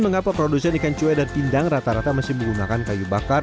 mengapa produsen ikan cue dan pindang rata rata masih menggunakan kayu bakar